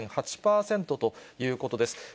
４２．８％ということです。